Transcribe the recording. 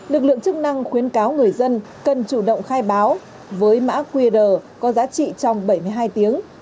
lực lượng chức năng khuyến cáo người dân cần chủ động khai báo với mã qr có giá trị trong bảy mươi hai tiếng